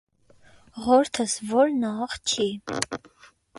- Ղորթս ո՞րն ա, աղջի: